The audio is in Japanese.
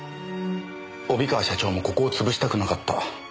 帯川社長もここを潰したくなかった。